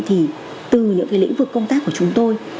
thì từ những cái lĩnh vực công tác của chúng tôi